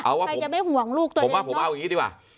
ใครจะไม่ห่วงลูกตัวเองผมว่าผมเอาอย่างนี้ดีกว่า